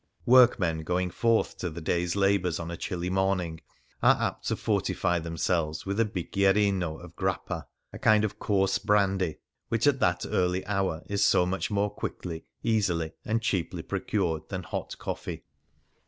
Workmen going forth to the day's labours on a chilly morning are apt to fortify themselves with a bicchierino of grappa — a kind of coarse brandy — which, at that early hour, is so much more quickly, easily, and cheaply procured than hot coffee.